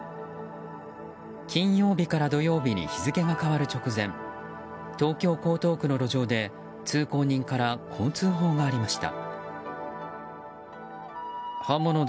金曜日から土曜日に日付が変わる直前東京・江東区の路上で通行人からこう通報がありました。